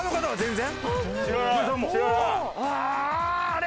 ああ！